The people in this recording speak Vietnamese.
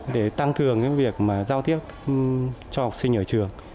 để tăng cường cái việc mà giao tiếp cho học sinh ở trường